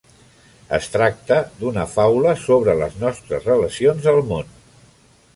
Es tracta d'una faula sobre les nostres relacions al món.